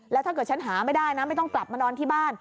แล้วถ้าเกิดฉันหาไม่ได้นะไม่ต้องกลับมานอนที่บ้าน